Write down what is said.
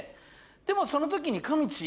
でもその時に。